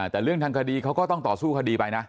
แต่เรื่องทางคดีเขาก็ต้องต่อสู้คดีไปนะ